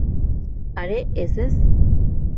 আরে, এস এস।